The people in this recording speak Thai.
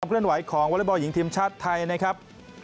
เคลื่อนไหวของวอเล็กบอลหญิงทีมชาติไทยนะครับ